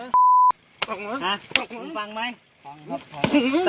คุณฟังไหมฟังครับ